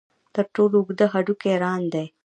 تر ټولو اوږد هډوکی ران دی.